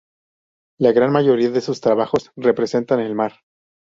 La gran mayoría de sus trabajos representan el mar.